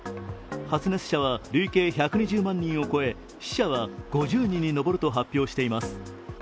発熱者は累計１２０万人を超え死者は５０人に上ると発表しています。